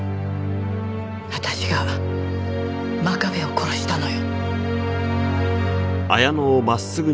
私が真壁を殺したのよ。